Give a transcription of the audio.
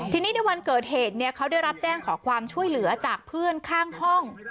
ทีนี้ในวันเกิดเหตุเขาได้รับแจ้งขอความช่วยเหลือจากเพื่อนข้างห้อง